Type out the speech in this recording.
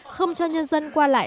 không cho nhân dân qua lại